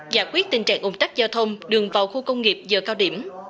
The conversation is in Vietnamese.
giải quyết tình trạng ủng tắc giao thông đường vào khu công nghiệp giờ cao điểm